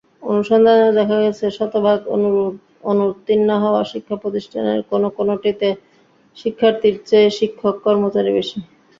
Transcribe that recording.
অনুসন্ধানে দেখা গেছে, শতভাগ অনুত্তীর্ণ হওয়া শিক্ষাপ্রতিষ্ঠানের কোনো কোনোটিতে শিক্ষার্থীর চেয়ে শিক্ষক-কর্মচারী বেশি।